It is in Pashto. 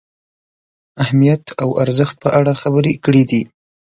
اهمیت او ارزښت په اړه خبرې کړې دي.